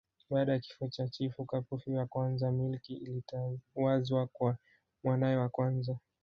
Baada ya kifo cha Chifu Kapufi wa Kwanza milki ilitawazwa kwa mwanae wa kwanza